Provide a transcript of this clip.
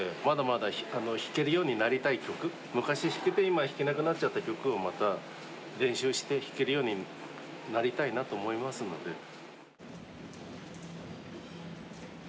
まだまだ弾けるようになりたい曲昔弾けて今弾けなくなっちゃった曲をまた練習して弾けるようになりたいなと思いますので。